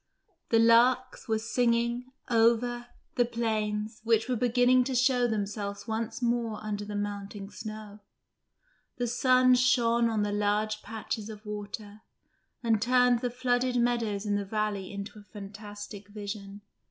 The larks were singing over the plains, which were beginning to show themselves once more under the melting snow; the sun shone on the large patches of water, and turned the flooded meadows in the valley into a fantastic vision.